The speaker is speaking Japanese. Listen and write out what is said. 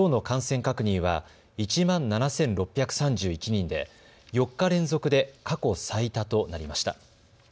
東京都内のきょうの感染確認は１万７６３１人で４日連続で過去最多となりました。